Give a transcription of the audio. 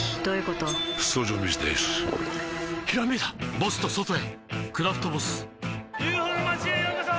ボスと外へ「クラフトボス」ＵＦＯの町へようこそ！